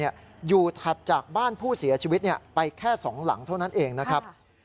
อยู่ถัดจากบ้านผู้เสียชีวิตไปแค่๒หลังเท่านั้นเองนะครับ